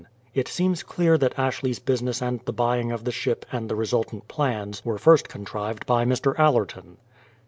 It seems clear that Ashley's business and the buying of the ship and the resultant plans were first contrived by Mr. Allerton.